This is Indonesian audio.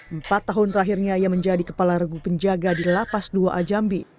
empat tahun terakhirnya ia menjadi kepala regu penjaga di lapas dua ajambi